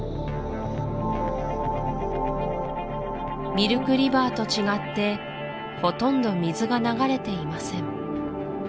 ミルク・リバーと違ってほとんど水が流れていません